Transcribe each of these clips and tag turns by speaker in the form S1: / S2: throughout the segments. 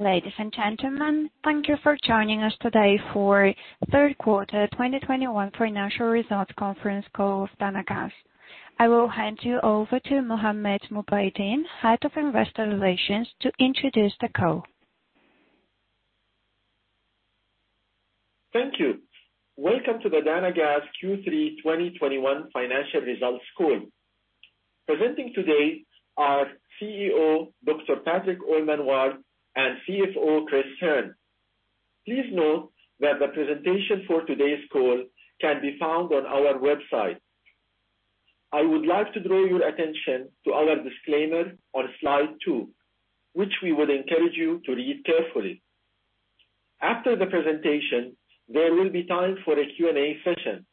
S1: Ladies and gentlemen, thank you for joining us today for third quarter 2021 financial results conference call with Dana Gas. I will hand you over to Mohammed Mubaideen, Head of Investor Relations, to introduce the call.
S2: Thank you. Welcome to the Dana Gas Q3 2021 financial results call. Presenting today are CEO Dr. Patrick Allman-Ward and CFO Chris Hearne. Please note that the presentation for today's call can be found on our website. I would like to draw your attention to our disclaimer on slide two, which we would encourage you to read carefully. After the presentation, there will be time for a Q&A session.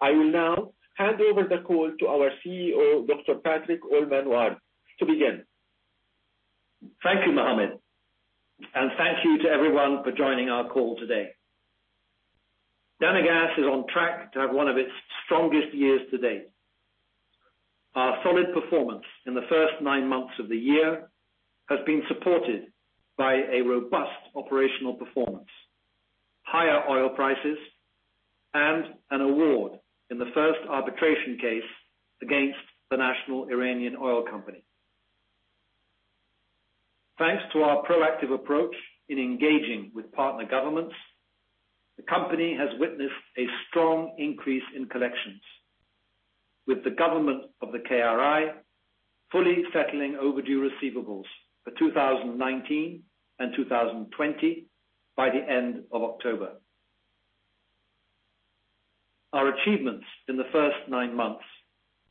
S2: I will now hand over the call to our CEO, Dr. Patrick Allman-Ward to begin.
S3: Thank you, Mohammed, and thank you to everyone for joining our call today. Dana Gas is on track to have one of its strongest years to date. Our solid performance in the first nine months of the year has been supported by a robust operational performance, higher oil prices, and an award in the first arbitration case against the National Iranian Oil Company. Thanks to our proactive approach in engaging with partner governments, the company has witnessed a strong increase in collections with the government of the KRI fully settling overdue receivables for 2019 and 2020 by the end of October. Our achievements in the first nine months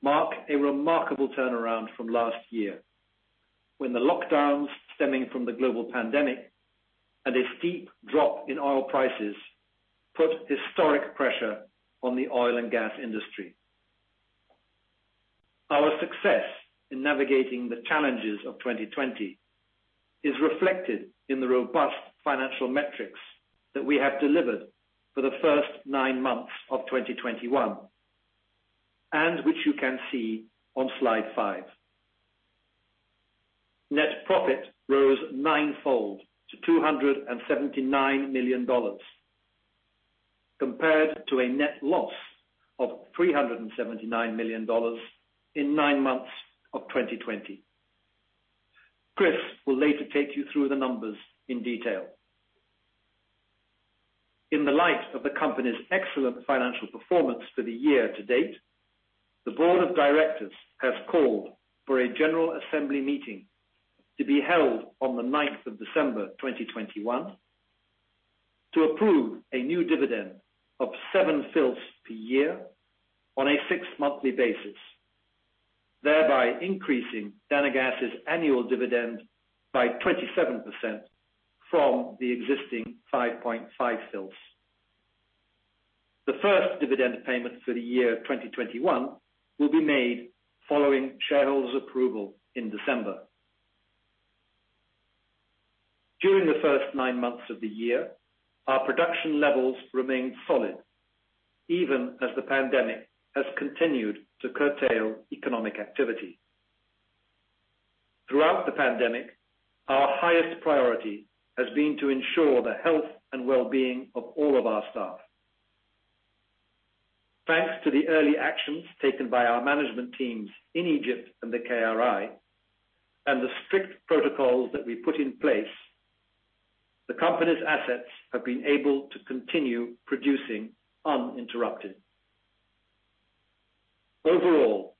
S3: mark a remarkable turnaround from last year when the lockdowns stemming from the global pandemic and a steep drop in oil prices put historic pressure on the oil and gas industry. Our success in navigating the challenges of 2020 is reflected in the robust financial metrics that we have delivered for the first nine months of 2021, and which you can see on slide five. Net profit rose ninefold to $279 million compared to a net loss of $379 million in nine months of 2020. Chris will later take you through the numbers in detail. In the light of the company's excellent financial performance for the year-to-date, the Board of Directors has called for a General Assembly Meeting to be held on the December 9th, 2021 to approve a new dividend of seven fils per year on a six-monthly basis, thereby increasing Dana Gas' annual dividend by 27% from the existing 5.5 fils. The first dividend payment for the year 2021 will be made following shareholders' approval in December. During the first nine months of the year, our production levels remained solid even as the pandemic has continued to curtail economic activity. Throughout the pandemic, our highest priority has been to ensure the health and well-being of all of our staff. Thanks to the early actions taken by our management teams in Egypt and the KRI and the strict protocols that we put in place, the company's assets have been able to continue producing uninterrupted. Overall,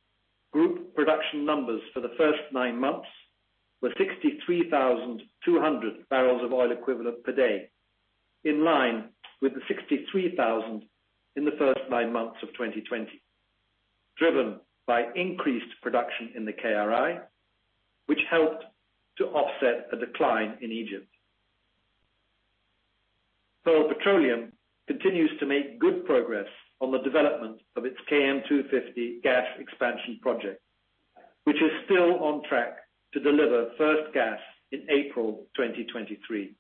S3: group production numbers for the first nine months were 63,200 bbl of oil equivalent per day, in line with the 63,000 in the first nine months of 2020, driven by increased production in the KRI, which helped to offset a decline in Egypt. Pearl Petroleum continues to make good progress on the development of its KM250 gas expansion project, which is still on track to deliver first gas in April 2023.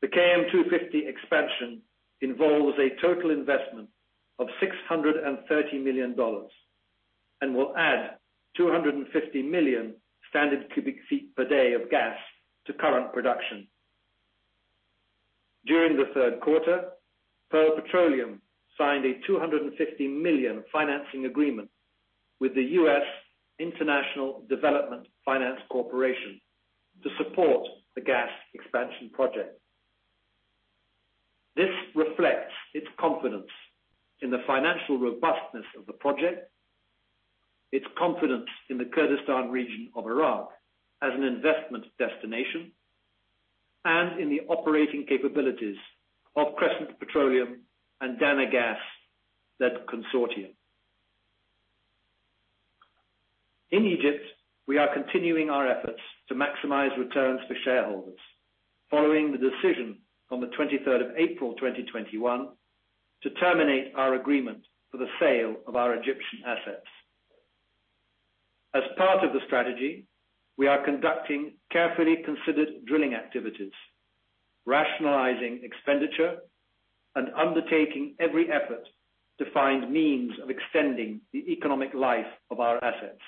S3: The KM250 expansion involves a total investment of $630 million and will add 250 million standard cu ft per day of gas to current production. During the third quarter, Pearl Petroleum signed a $250 million financing agreement with the U.S. International Development Finance Corporation to support the gas expansion project. This reflects its confidence in the financial robustness of the project, its confidence in the Kurdistan Region of Iraq as an investment destination, and in the operating capabilities of Crescent Petroleum and Dana Gas-led consortium. In Egypt, we are continuing our efforts to maximize returns for shareholders following the decision on April 23rd, 2021, to terminate our agreement for the sale of our Egyptian assets. As part of the strategy, we are conducting carefully considered drilling activities, rationalizing expenditure and undertaking every effort to find means of extending the economic life of our assets.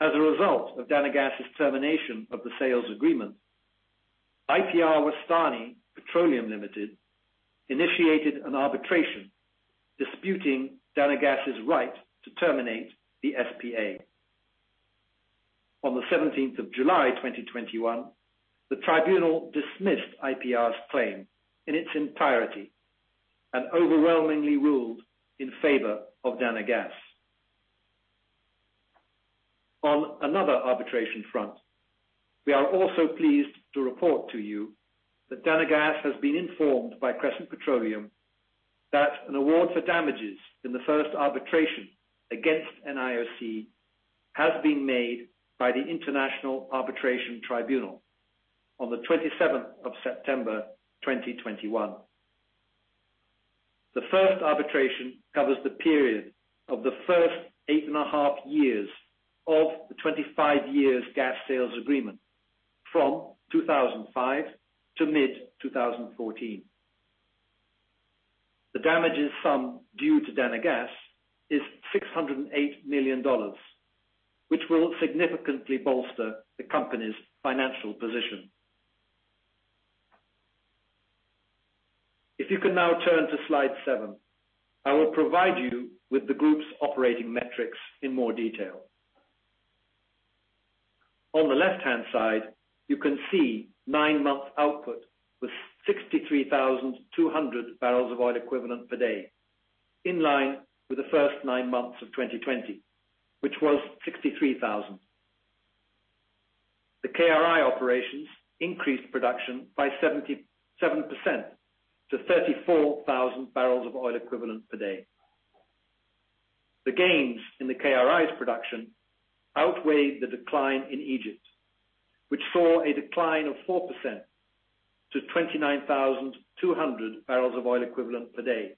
S3: As a result of Dana Gas's termination of the sales agreement, IPR Wastani Petroleum Ltd initiated an arbitration disputing Dana Gas's right to terminate the SPA. On July 17th, 2021, the tribunal dismissed IPR's claim in its entirety and overwhelmingly ruled in favor of Dana Gas. On another arbitration front, we are also pleased to report to you that Dana Gas has been informed by Crescent Petroleum that an award for damages in the first arbitration against NIOC has been made by the International Arbitration Tribunal on the September 27th, 2021. The first arbitration covers the period of the first 8.5 years of the 25-year gas sales agreement from 2005 to mid-2014. The damages sum due to Dana Gas is $608 million, which will significantly bolster the company's financial position. If you can now turn to slide seven, I will provide you with the group's operating metrics in more detail. On the left-hand side, you can see nine-month output with 63,200 bbl of oil equivalent per day, in line with the first nine months of 2020, which was 63,000 bbl. The KRI operations increased production by 77% to 34,000 bbl of oil equivalent per day. The gains in the KRI's production outweighed the decline in Egypt, which saw a decline of 4% to 29,200 bbl of oil equivalent per day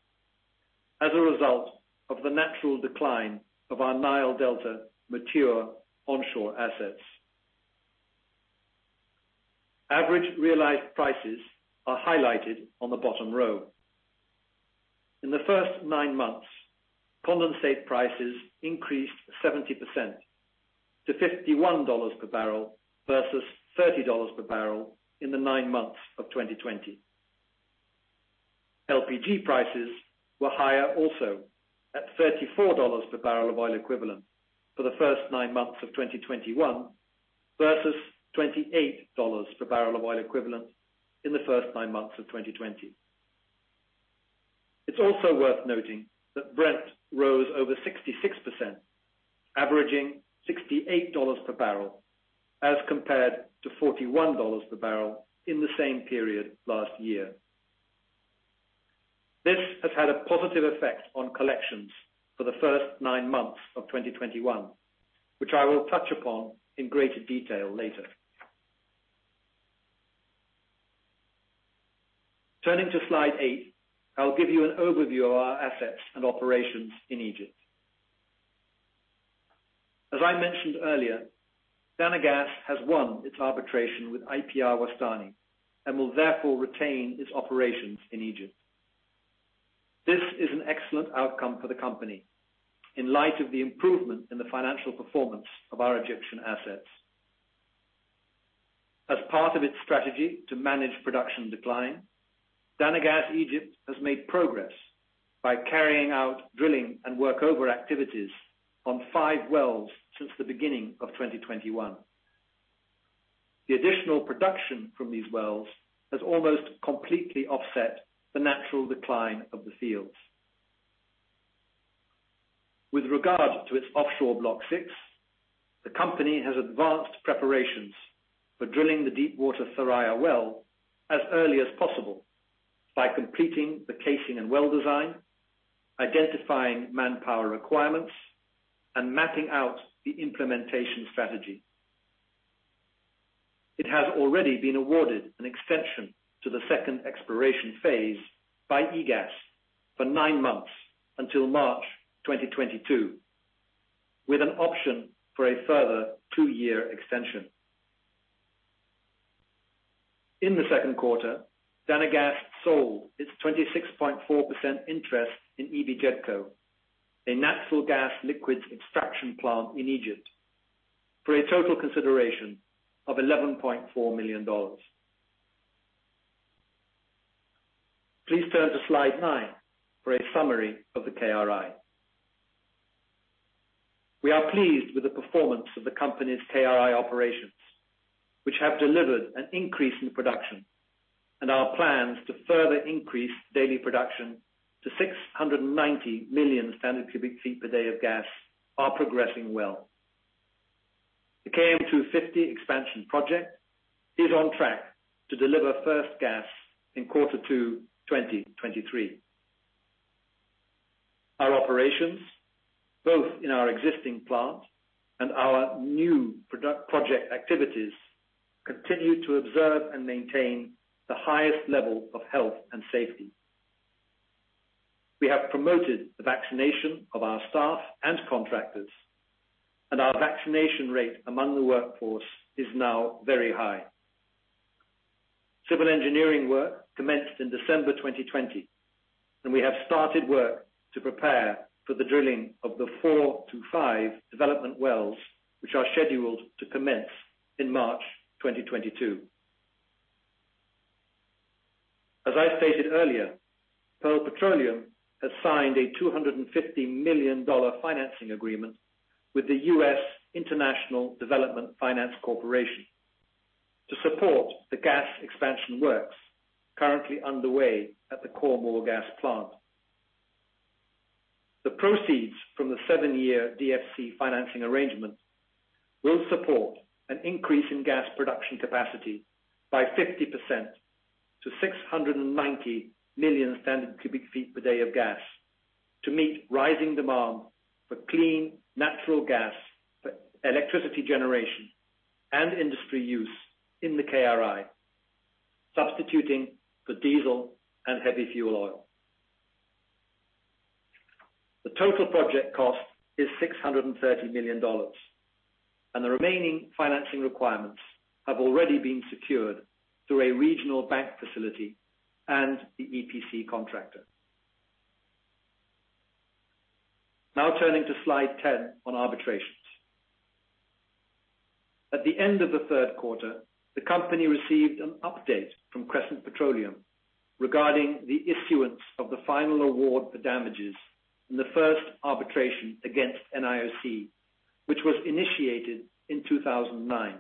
S3: as a result of the natural decline of our Nile Delta mature onshore assets. Average realized prices are highlighted on the bottom row. In the first nine months, condensate prices increased 70% to $51 per barrel versus $30 per barrel in the nine months of 2020. LPG prices were higher also at $34 per barrel of oil equivalent for the first nine months of 2021 versus $28 per barrel of oil equivalent in the first nine months of 2020. It's also worth noting that Brent rose over 66%, averaging $68 per barrel as compared to $41 per barrel in the same period last year. This has had a positive effect on collections for the first nine months of 2021, which I will touch upon in greater detail later. Turning to slide eight, I'll give you an overview of our assets and operations in Egypt. As I mentioned earlier, Dana Gas has won its arbitration with IPR Wastani and will therefore retain its operations in Egypt. This is an excellent outcome for the company in light of the improvement in the financial performance of our Egyptian assets. As part of its strategy to manage production decline, Dana Gas Egypt has made progress by carrying out drilling and workover activities on five wells since the beginning of 2021. The additional production from these wells has almost completely offset the natural decline of the fields. With regard to its offshore Block 6, the company has advanced preparations for drilling the deep water Thuraya well as early as possible by completing the casing and well design, identifying manpower requirements, and mapping out the implementation strategy. It has already been awarded an extension to the second exploration phase by EGAS for nine months until March 2022, with an option for a further two-year extension. In the second quarter, Dana Gas sold its 26.4% interest in EBGDCo, a natural gas liquids extraction plant in Egypt, for a total consideration of $11.4 million. Please turn to slide nine for a summary of the KRI. We are pleased with the performance of the company's KRI operations, which have delivered an increase in production and our plans to further increase daily production to 690 million standard cu ft per day of gas are progressing well. The KM250 expansion project is on track to deliver first gas in quarter two 2023. Our operations, both in our existing plant and our new product project activities, continue to observe and maintain the highest level of health and safety. We have promoted the vaccination of our staff and contractors, and our vaccination rate among the workforce is now very high. Civil engineering work commenced in December 2020, and we have started work to prepare for the drilling of the four-five development wells, which are scheduled to commence in March 2022. As I stated earlier, Pearl Petroleum has signed a $250 million financing agreement with the U.S. International Development Finance Corporation to support the gas expansion works currently underway at the Khor Mor gas plant. The proceeds from the seven-year DFC financing arrangement will support an increase in gas production capacity by 50% to 690 million standard cu ft per day of gas to meet rising demand for clean natural gas for electricity generation and industry use in the KRI, substituting for diesel and heavy fuel oil. The total project cost is $630 million, and the remaining financing requirements have already been secured through a regional bank facility and the EPC contractor. Now turning to slide 10 on arbitrations. At the end of the third quarter, the company received an update from Crescent Petroleum regarding the issuance of the final award for damages in the first arbitration against NIOC, which was initiated in 2009.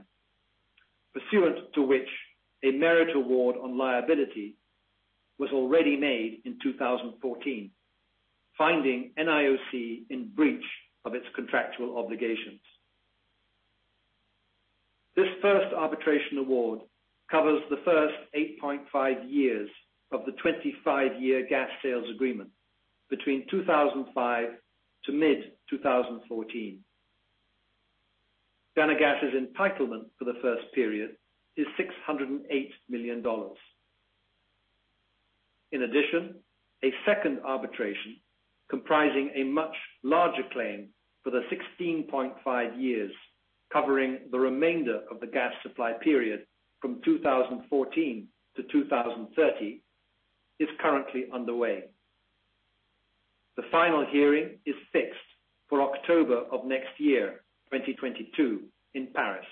S3: Pursuant to which a merit award on liability was already made in 2014, finding NIOC in breach of its contractual obligations. This first arbitration award covers the first 8.5 years of the 25-year gas sales agreement between 2005 to mid-2014. Dana Gas' entitlement for the first period is $608 million. In addition, a second arbitration comprising a much larger claim for the 16.5 years covering the remainder of the gas supply period from 2014 to 2030 is currently underway. The final hearing is fixed for October of next year, 2022 in Paris,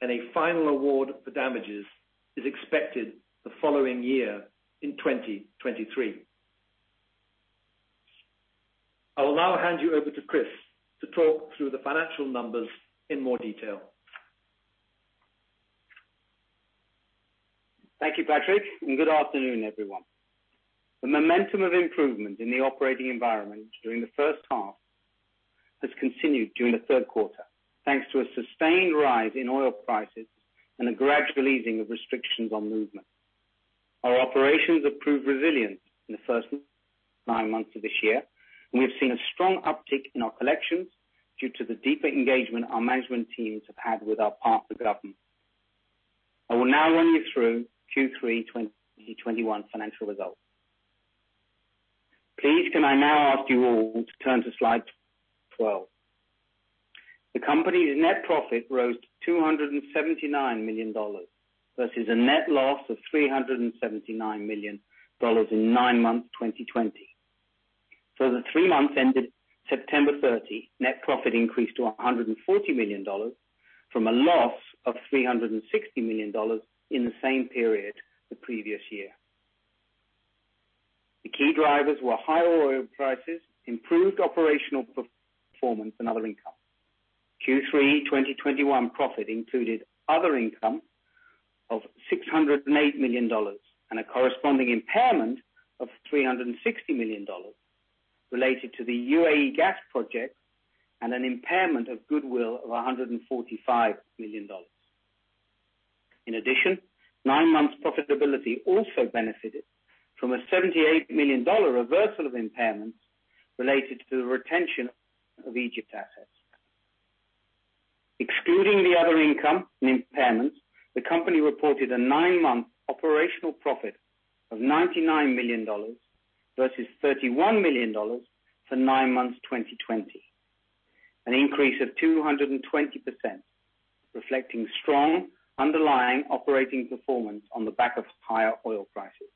S3: and a final award for damages is expected the following year in 2023. I will now hand you over to Chris to talk through the financial numbers in more detail.
S4: Thank you, Patrick, and good afternoon, everyone. The momentum of improvement in the operating environment during the first half has continued during the third quarter, thanks to a sustained rise in oil prices and a gradual easing of restrictions on movement. Our operations have proved resilient in the first nine months of this year, and we've seen a strong uptick in our collections due to the deeper engagement our management teams have had with our partner government. I will now run you through Q3 2021 financial results. Please can I now ask you all to turn to slide 12. The company's net profit rose $279 million versus a net loss of $379 million in nine months, 2020. For the three months ended September 30, net profit increased to $140 million from a loss of $360 million in the same period the previous year. The key drivers were higher oil prices, improved operational performance and other income. Q3 2021 profit included other income of $608 million and a corresponding impairment of $360 million related to the UAE gas project and an impairment of goodwill of $145 million. In addition, nine months profitability also benefited from a $78 million reversal of impairments related to the retention of Egypt assets. Excluding the other income and impairments, the company reported a nine-month operational profit of $99 million versus $31 million for nine months, 2020. An increase of 220% reflecting strong underlying operating performance on the back of higher oil prices.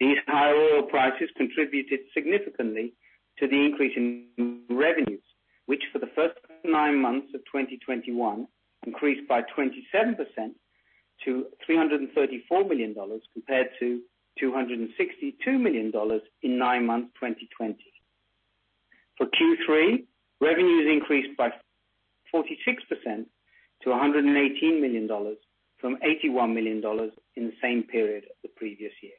S4: These higher oil prices contributed significantly to the increase in revenues, which for the first nine months of 2021 increased by 27% to $334 million compared to $262 million in nine months, 2020. For Q3, revenues increased by 46% to $118 million from $81 million in the same period the previous year.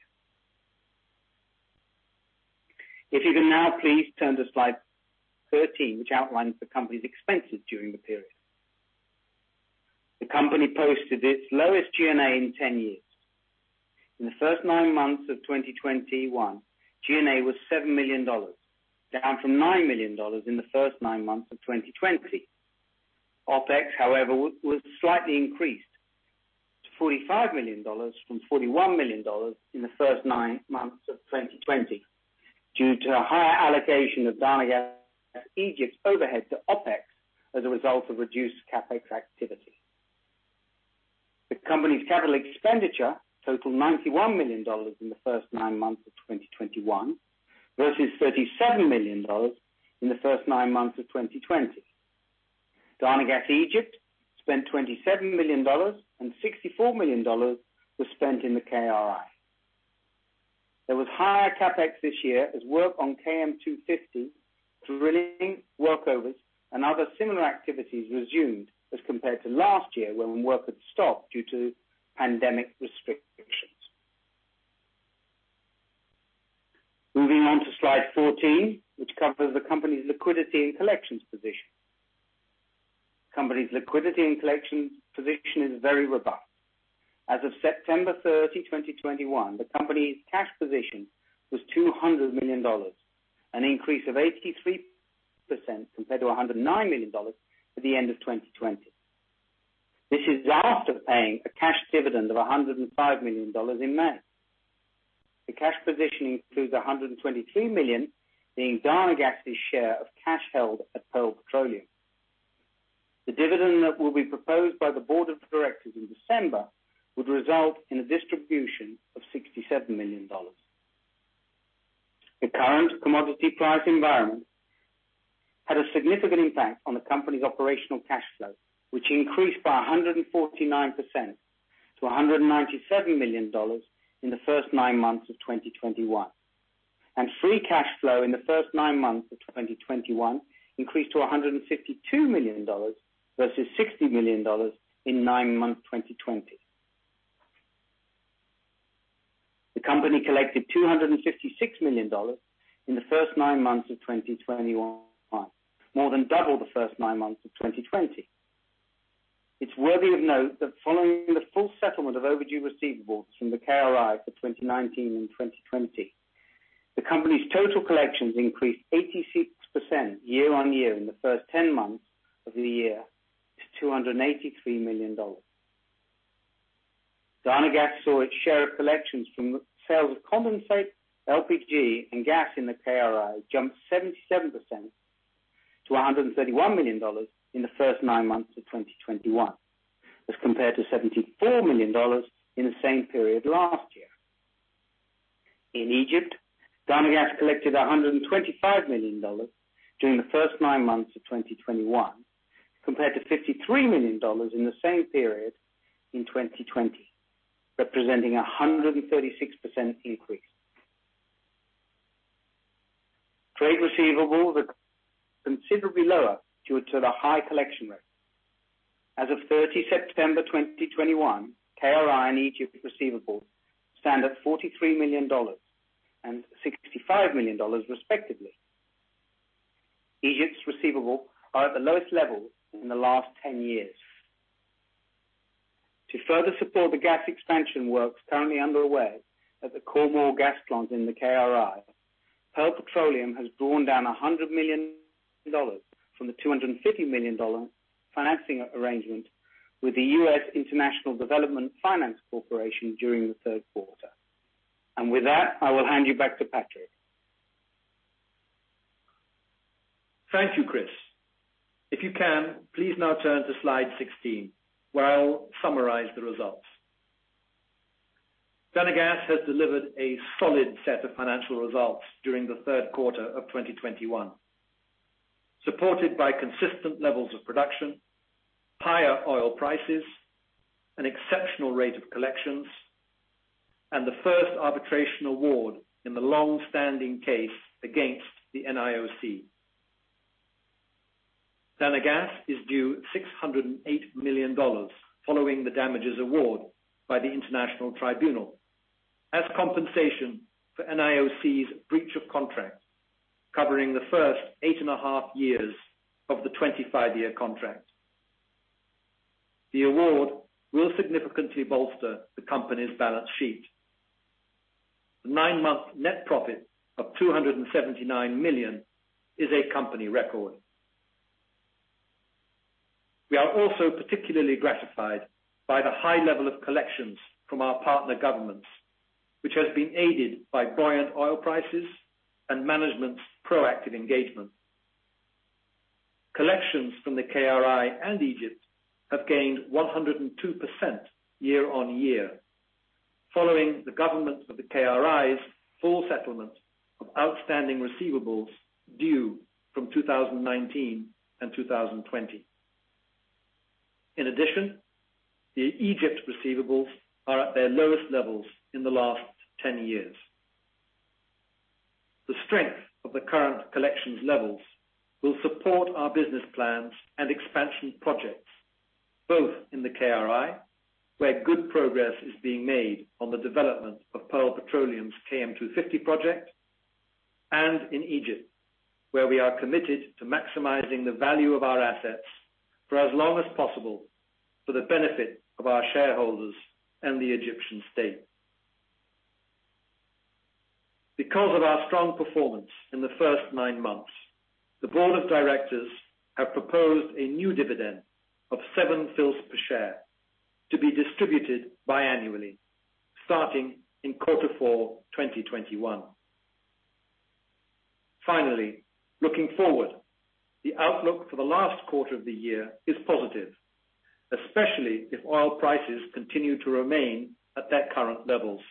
S4: If you can now please turn to slide 13, which outlines the company's expenses during the period. The company posted its lowest G&A in 10 years. In the first nine months of 2021, G&A was $7 million, down from $9 million in the first nine months of 2020. OpEx, however, was slightly increased $45 million from $41 million in the first nine months of 2020 due to a higher allocation of Dana Gas Egypt's overhead to OpEx as a result of reduced CapEx activity. The company's capital expenditure totaled $91 million in the first nine months of 2021 versus $37 million in the first nine months of 2020. Dana Gas Egypt spent $27 million and $64 million was spent in the KRI. There was higher CapEx this year as work on KM250 to relieve workovers and other similar activities resumed as compared to last year when work had stopped due to pandemic restrictions. Moving on to slide 14, which covers the company's liquidity and collections position. The company's liquidity and collections position is very robust. As of September 30, 2021, the company's cash position was $200 million, an increase of 83% compared to $109 million at the end of 2020. This is after paying a cash dividend of $105 million in May. The cash position includes $123 million, being Dana Gas's share of cash held at Pearl Petroleum. The dividend that will be proposed by the Board of Directors in December would result in a distribution of $67 million. The current commodity price environment had a significant impact on the company's operational cash flow, which increased by 149% to $197 million in the first nine months of 2021. Free cash flow in the first nine months of 2021 increased to $152 million versus $60 million in nine months, 2020. The company collected $256 million in the first nine months of 2021, more than double the first nine months of 2020. It's worthy of note that following the full settlement of overdue receivables from the KRI for 2019 and 2020, the company's total collections increased 86% year-on-year in the first 10 months of the year to $283 million. Dana Gas saw its share of collections from the sales of condensate, LPG, and gas in the KRI jump 77% to $131 million in the first nine months of 2021, as compared to $74 million in the same period last year. In Egypt, Dana Gas collected $125 million during the first nine months of 2021, compared to $53 million in the same period in 2020, representing a 136% increase. Trade receivables are considerably lower due to the high collection rate. As of September 30, 2021, KRI and Egypt receivables stand at $43 million and $65 million, respectively. Egypt's receivables are at the lowest levels in the last 10 years. To further support the gas expansion works currently underway at the Khor Mor gas plant in the KRI, Pearl Petroleum has drawn down $100 million from the $250 million financing arrangement with the U.S. International Development Finance Corporation during the third quarter. With that, I will hand you back to Patrick.
S3: Thank you, Chris. If you can, please now turn to slide 16, where I'll summarize the results. Dana Gas has delivered a solid set of financial results during the third quarter of 2021, supported by consistent levels of production, higher oil prices, an exceptional rate of collections, and the first arbitration award in the long-standing case against the NIOC. Dana Gas is due $608 million following the damages award by the International Tribunal as compensation for NIOC's breach of contract, covering the first 8.5 years of the 25-year contract. The award will significantly bolster the company's balance sheet. The nine-month net profit of $279 million is a company record. We are also particularly gratified by the high level of collections from our partner governments, which has been aided by buoyant oil prices and management's proactive engagement. Collections from the KRI and Egypt have gained 102% year-on-year following the government of the KRI's full settlement of outstanding receivables due from 2019 and 2020. In addition, the Egypt receivables are at their lowest levels in the last 10 years. The strength of the current collections levels will support our business plans and expansion projects, both in the KRI, where good progress is being made on the development of Pearl Petroleum's KM250 project, and in Egypt, where we are committed to maximizing the value of our assets for as long as possible for the benefit of our shareholders and the Egyptian state. Because of our strong performance in the first nine months, the Board of Directors have proposed a new dividend of 7 fils per share to be distributed biannually, starting in quarter four 2021. Finally, looking forward, the outlook for the last quarter of the year is positive, especially if oil prices continue to remain at those current levels.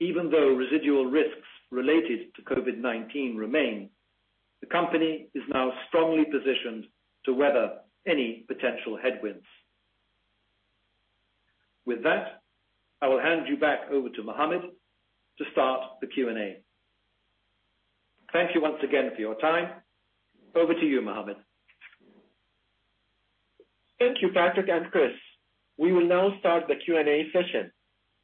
S3: Even though residual risks related to COVID-19 remain, the company is now strongly positioned to weather any potential headwinds. With that, I will hand you back over to Mohammed to start the Q&A. Thank you once again for your time. Over to you, Mohammed.
S2: Thank you, Patrick and Chris. We will now start the Q&A session.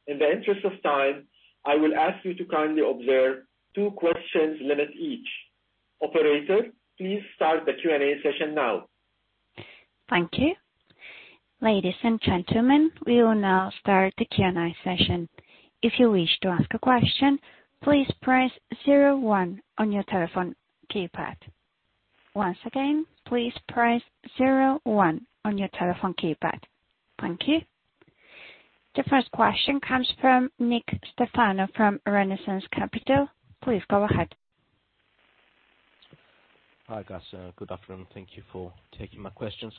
S2: In the interest of time, I will ask you to kindly observe two questions limit each. Operator, please start the Q&A session now.
S1: Thank you. Ladies and gentlemen, we will now start the Q&A session. If you wish to ask a question, please press zero one on your telephone keypad. Once again, please press zero one on your telephone keypad. Thank you. The first question comes from Nik Stefanou from Renaissance Capital. Please go ahead.
S5: Hi, guys. Good afternoon. Thank you for taking my questions.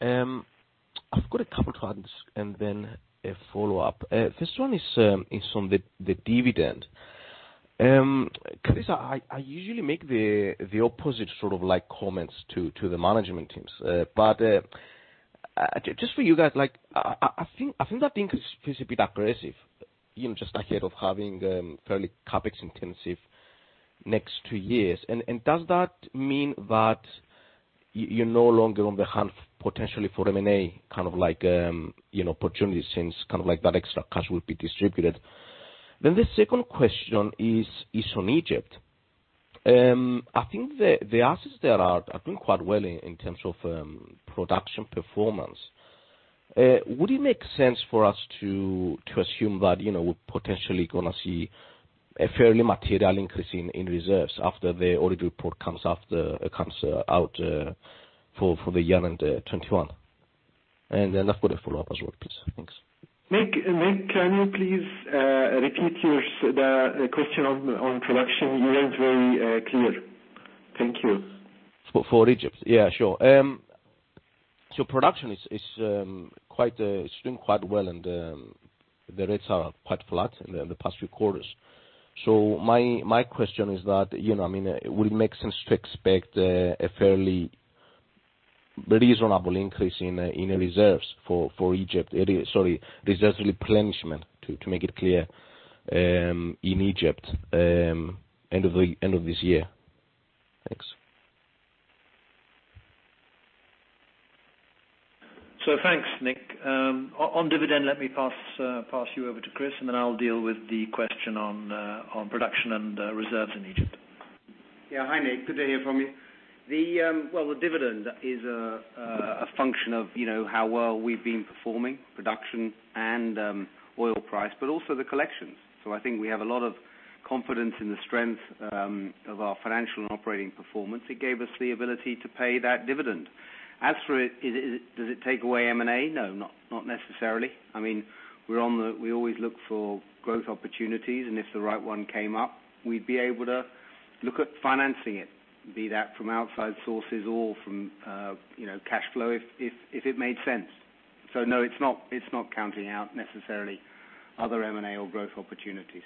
S5: I've got a couple ones and then a follow-up. This one is on the dividend. Chris, I usually make the opposite sort of like comments to the management teams. Just for you guys, like, I think that thing is a bit aggressive, you know, just ahead of having fairly CapEx intensive next two years. Does that mean that you no longer on the hunt potentially for M&A kind of like you know opportunities since kind of like that extra cash will be distributed? The second question is on Egypt. I think the assets there are doing quite well in terms of production performance. Would it make sense for us to assume that, you know, we're potentially gonna see a fairly material increase in reserves after the audit report comes out for the year end 2021? Then I've got a follow-up as well, please. Thanks.
S2: Nik, can you please repeat your question on production? You weren't very clear. Thank you.
S5: For Egypt? Yeah, sure. Production is doing quite well and the rates are quite flat in the past few quarters. My question is that, you know, I mean, would it make sense to expect a fairly reasonable increase in reserves for Egypt? Sorry, reserves replenishment, to make it clear, in Egypt, end of this year. Thanks.
S3: Thanks, Nik. On dividend, let me pass you over to Chris, and then I'll deal with the question on production and reserves in Egypt.
S4: Yeah. Hi, Nik. Good to hear from you. The, well, the dividend is a function of, you know, how well we've been performing production and oil price, but also the collections. I think we have a lot of confidence in the strength of our financial and operating performance. It gave us the ability to pay that dividend. As for it, does it take away M&A? No, not necessarily. I mean, we always look for growth opportunities, and if the right one came up, we'd be able to look at financing it, be that from outside sources or from, you know, cash flow if it made sense. No, it's not counting out necessarily other M&A or growth opportunities.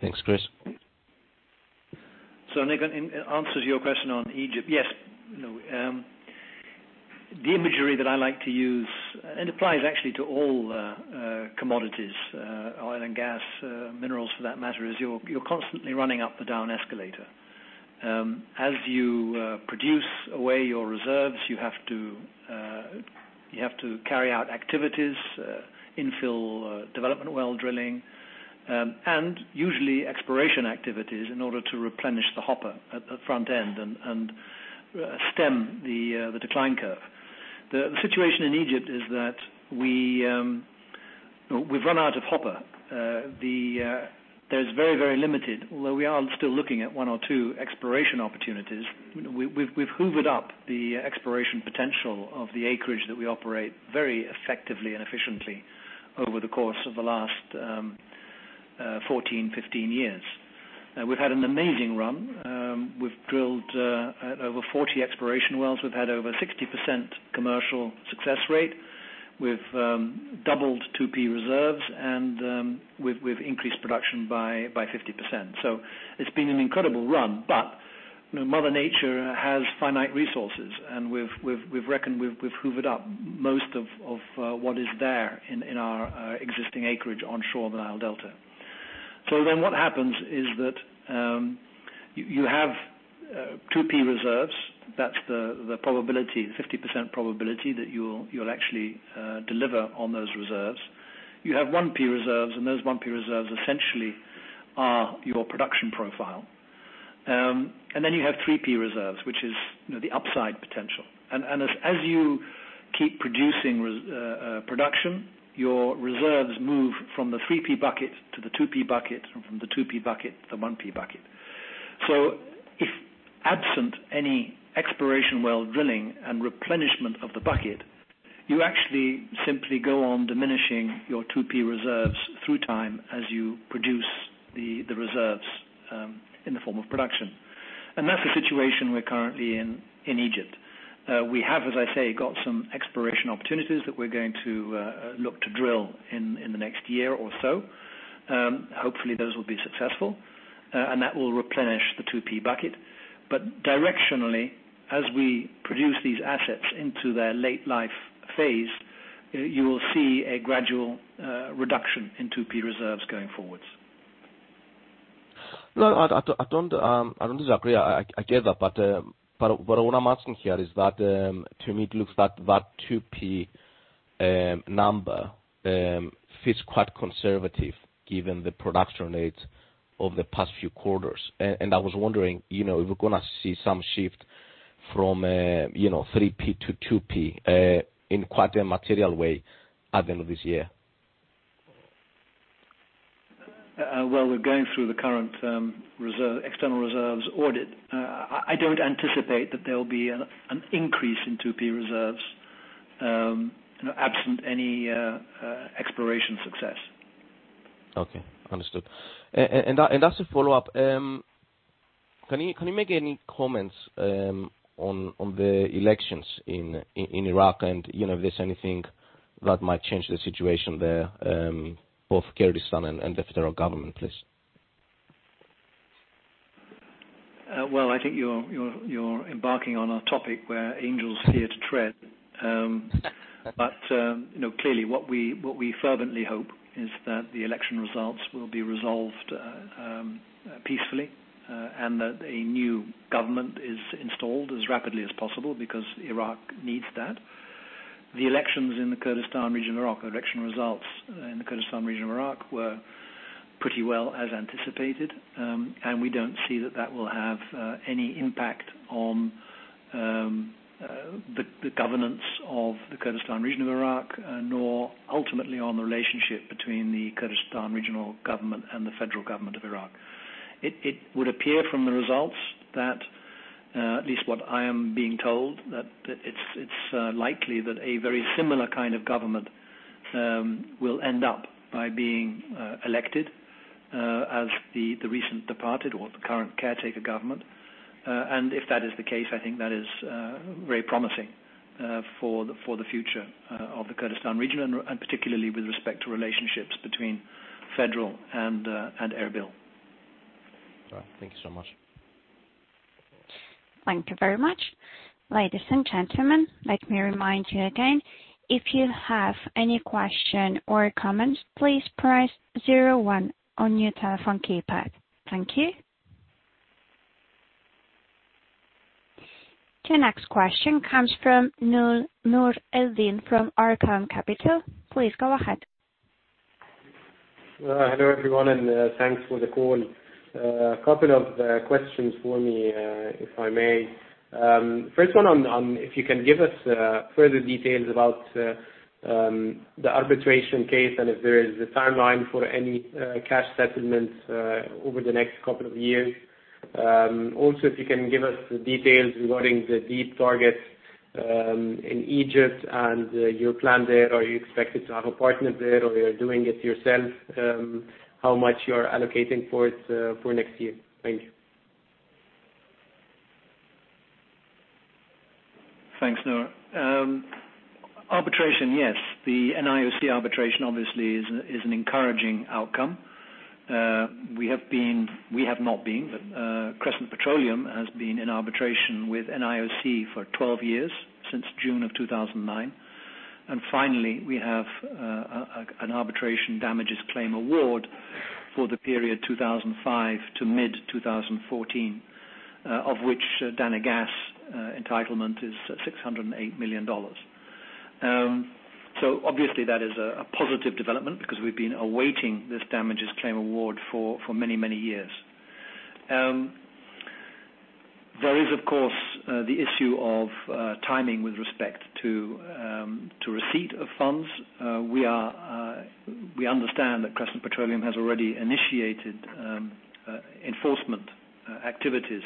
S5: Thanks, Chris.
S3: Nik, in answer to your question on Egypt. Yes, you know, the imagery that I like to use and applies actually to all commodities, oil and gas, minerals for that matter, is you're constantly running up the down escalator. As you produce away your reserves, you have to carry out activities, infill, development well drilling, and usually exploration activities in order to replenish the hopper at the front end and stem the decline curve. The situation in Egypt is that we've run out of hopper. There's very limited, although we are still looking at one or two exploration opportunities, we've hoovered up the exploration potential of the acreage that we operate very effectively and efficiently over the course of the last 14, 15 years. We've had an amazing run. We've drilled over 40 exploration wells. We've had over 60% commercial success rate. We've doubled 2P reserves and we've increased production by 50%. It's been an incredible run. You know, mother nature has finite resources, and we've hoovered up most of what is there in our existing acreage onshore the Nile Delta. What happens is that you have 2P reserves. That's the probability, 50% probability that you'll actually deliver on those reserves. You have 1P reserves, and those 1P reserves essentially are your production profile. Then you have 3P reserves, which is, you know, the upside potential. As you keep producing production, your reserves move from the 3P bucket to the 2P bucket, and from the 2P bucket to the 1P bucket. If absent any exploration well drilling and replenishment of the bucket, you actually simply go on diminishing your 2P reserves through time as you produce the reserves in the form of production. That's the situation we're currently in Egypt. We have, as I say, got some exploration opportunities that we're going to look to drill in the next year or so. Hopefully, those will be successful. That will replenish the 2P bucket. Directionally, as we produce these assets into their late life phase, you will see a gradual reduction in 2P reserves going forwards.
S5: No, I don't disagree. I get that. What I'm asking here is that, to me, it looks that 2P number feels quite conservative given the production rates over the past few quarters. I was wondering, you know, if we're gonna see some shift from, you know, 3P to 2P, in quite a material way at the end of this year.
S3: Well, we're going through the current external reserves audit. I don't anticipate that there will be an increase in 2P reserves, you know, absent any exploration success.
S5: Okay, understood. As a follow-up, can you make any comments on the elections in Iraq and, you know, if there's anything that might change the situation there, both Kurdistan and the Federal Government, please?
S3: Well, I think you're embarking on a topic where angels fear to tread. You know, clearly what we fervently hope is that the election results will be resolved peacefully, and that a new government is installed as rapidly as possible because Iraq needs that. The election results in the Kurdistan Region of Iraq were pretty well as anticipated, and we don't see that that will have any impact on the governance of the Kurdistan Region of Iraq, nor ultimately on the relationship between the Kurdistan Regional Government and the Federal Government of Iraq. It would appear from the results that, at least what I am being told, that it's likely that a very similar kind of government will end up by being elected as the recent departed or the current caretaker government. If that is the case, I think that is very promising for the future of the Kurdistan region and particularly with respect to relationships between Federal and Erbil.
S5: All right. Thank you so much.
S1: Thank you very much. Ladies and gentlemen, let me remind you again, if you have any question or comments, please press zero one on your telephone keypad. Thank you. The next question comes from Nour Eldin from Arqaam Capital. Please go ahead.
S6: Hello everyone, thanks for the call. A couple of questions for me, if I may. First one on if you can give us further details about the arbitration case and if there is a timeline for any cash settlements over the next couple of years. Also, if you can give us the details regarding the deep targets in Egypt and your plan there. Are you expected to have a partner there or you're doing it yourself? How much you're allocating for it for next year? Thank you.
S3: Thanks, Nour. Arbitration, yes. The NIOC arbitration obviously is an encouraging outcome. We have not been, but Crescent Petroleum has been in arbitration with NIOC for 12 years, since June 2009. Finally, we have an arbitration damages claim award for the period 2005 to mid-2014, of which Dana Gas entitlement is $608 million. Obviously that is a positive development because we've been awaiting this damages claim award for many years. There is of course the issue of timing with respect to receipt of funds. We understand that Crescent Petroleum has already initiated enforcement activities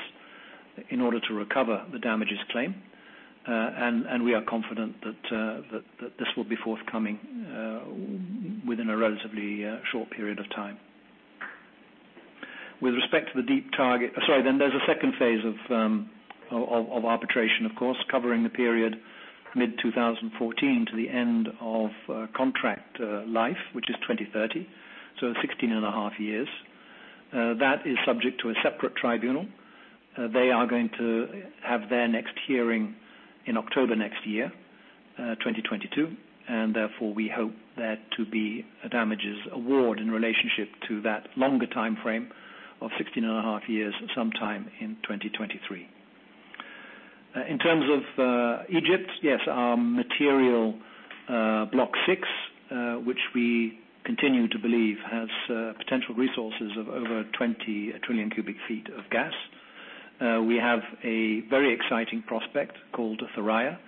S3: in order to recover the damages claim. We are confident that this will be forthcoming within a relatively short period of time. There is a second phase of arbitration, of course, covering the period mid-2014 to the end of contract life, which is 2030, so 16.5 years. That is subject to a separate tribunal. They are going to have their next hearing in October 2022, and therefore we hope there to be a damages award in relationship to that longer timeframe of 16.5 years, sometime in 2023. In terms of Egypt, yes, our material Block 6, which we continue to believe has potential resources of over 20 trillion cu ft of gas. We have a very exciting prospect called Thuraya.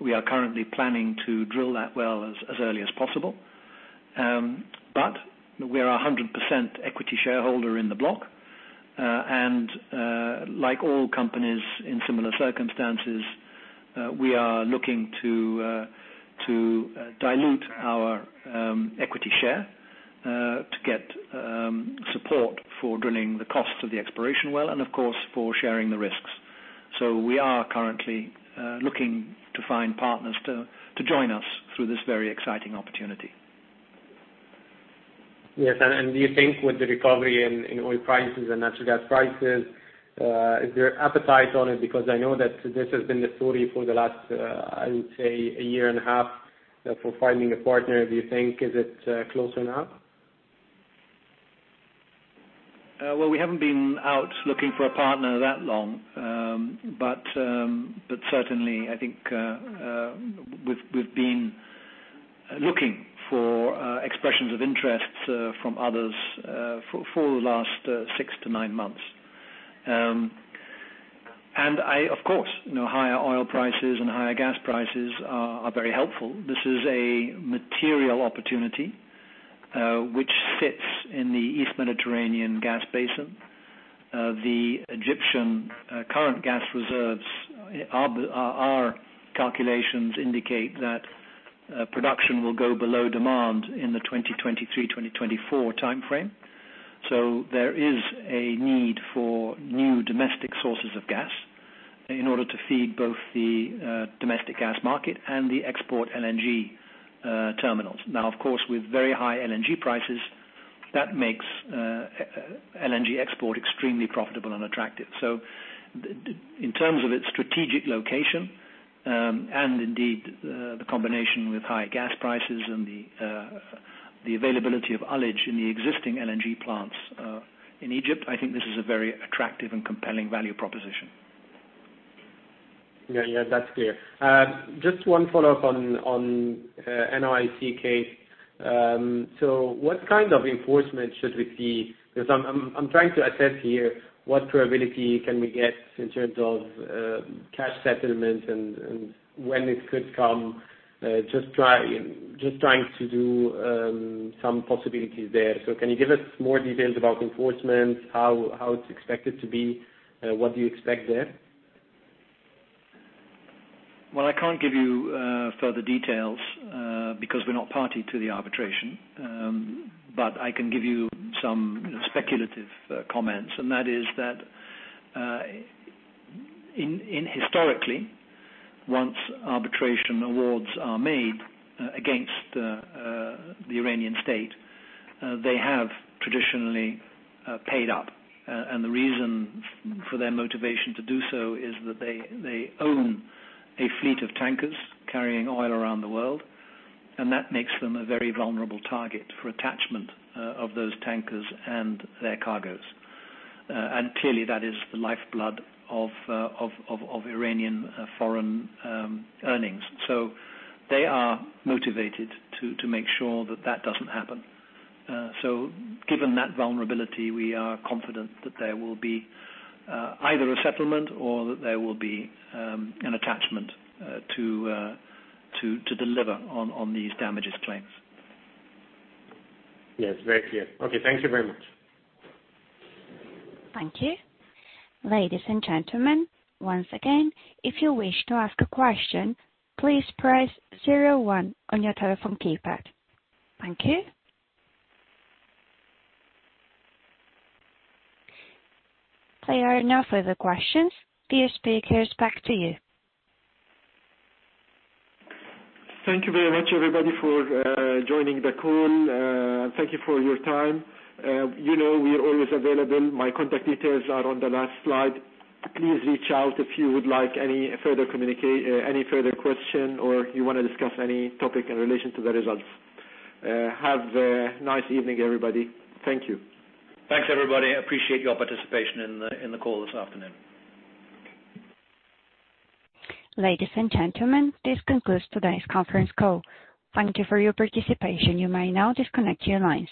S3: We are currently planning to drill that well as early as possible. We are 100% equity shareholder in the block. Like all companies in similar circumstances, we are looking to dilute our equity share to get support for the drilling costs of the exploration well, and of course, for sharing the risks. We are currently looking to find partners to join us through this very exciting opportunity.
S6: Yes. Do you think with the recovery in oil prices and natural gas prices, is there appetite on it? Because I know that this has been the story for the last, I would say 1.5 years, for finding a partner. Do you think, is it, close enough?
S3: Well, we haven't been out looking for a partner that long. Certainly I think we've been looking for expressions of interest from others for the last six to nine months. Of course, you know, higher oil prices and higher gas prices are very helpful. This is a material opportunity which sits in the East Mediterranean gas basin. The Egyptian current gas reserves, our calculations indicate that production will go below demand in the 2023, 2024 timeframe. There is a need for new domestic sources of gas in order to feed both the domestic gas market and the export LNG terminals. Now, of course, with very high LNG prices, that makes LNG export extremely profitable and attractive. In terms of its strategic location, and indeed, the combination with high gas prices and the availability of LNG in the existing LNG plants in Egypt, I think this is a very attractive and compelling value proposition.
S6: Yeah. Yeah, that's clear. Just one follow-up on NIOC case. What kind of enforcement should we see? 'Cause I'm trying to assess here what probability can we get in terms of cash settlement and when it could come. Just trying to do some possibilities there. Can you give us more details about enforcement, how it's expected to be, what do you expect there?
S3: I can't give you further details because we're not party to the arbitration. I can give you some speculative comments, and that is that historically, once arbitration awards are made against the Iranian state, they have traditionally paid up. The reason for their motivation to do so is that they own a fleet of tankers carrying oil around the world, and that makes them a very vulnerable target for attachment of those tankers and their cargoes. Clearly, that is the lifeblood of Iranian foreign earnings. They are motivated to make sure that doesn't happen. Given that vulnerability, we are confident that there will be either a settlement or that there will be an attachment to deliver on these damages claims.
S6: Yes. Very clear. Okay, thank you very much.
S1: Thank you. Ladies and gentlemen, once again, if you wish to ask a question, please press zero one on your telephone keypad. Thank you. There are no further questions. Dear speakers, back to you.
S2: Thank you very much, everybody, for joining the call. Thank you for your time. You know we're always available. My contact details are on the last slide. Please reach out if you would like any further question or you wanna discuss any topic in relation to the results. Have a nice evening, everybody. Thank you.
S3: Thanks, everybody. I appreciate your participation in the call this afternoon.
S1: Ladies and gentlemen, this concludes today's conference call. Thank you for your participation. You may now disconnect your lines.